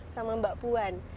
sama mbak puan